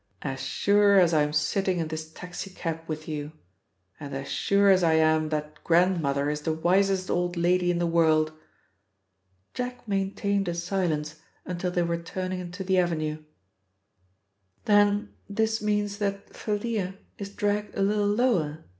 "As sure as I'm sitting in this taxi cab with you, and as sure as I am that Grandmother is the wisest old lady in the world." Jack maintained a silence until they were turning into the avenue. "Then this means that Thalia is dragged a little lower?"